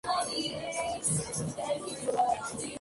Un tercer título, "Sebastian Darke.